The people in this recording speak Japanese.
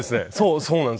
そうなんですよ。